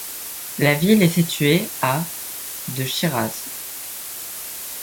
La ville est située à de Chiraz.